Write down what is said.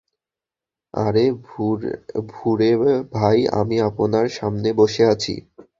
আরে ভুরে ভাই আমি আপনার সামনে বসে আছি।